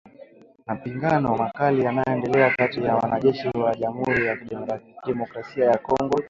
Mapigano makali yanaendelea kati ya wanajeshi wa jamuhuri ya kidemokrasia ya Kongo